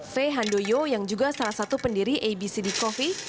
fay handoyo yang juga salah satu pendiri abcd coffee